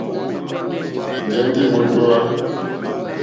Ŋgεŋgi mòtohwa.